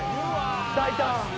大胆！